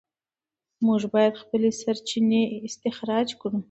موږ باید خپلې سرچینې استخراج کړو.